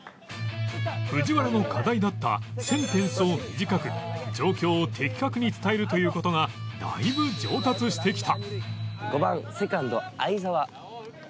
藤原の課題だったセンテンスを短く状況を的確に伝えるという事がだいぶ上達してきた